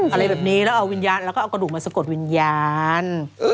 อะไรแบบนี้แล้วเอากระดูกมาสะกดวิญญาณ